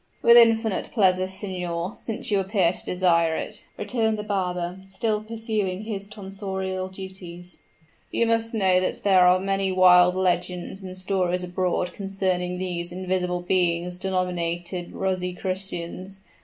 "With infinite pleasure, signor, since you appear to desire it," returned the barber, still pursuing his tonsorial duties. "You must know that there are many wild legends and stories abroad concerning these invisible beings denominated Rosicrucians.